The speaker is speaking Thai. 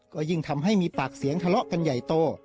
ก็ยิ่งทำให้มีปากเสียงทะเลาะกันใหญ่โต